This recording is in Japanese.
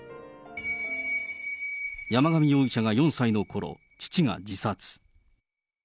山上容疑者が４歳のころ、父が自殺。